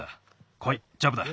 こいジャブだ。